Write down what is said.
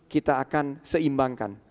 kita akan seimbangkan